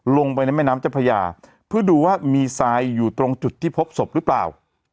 ลงไปในแม่น้ำเจ้าพญาเพื่อดูว่ามีทรายอยู่ตรงจุดที่พบศพหรือเปล่า